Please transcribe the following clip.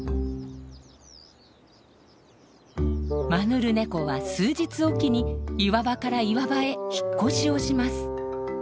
マヌルネコは数日おきに岩場から岩場へ引っ越しをします。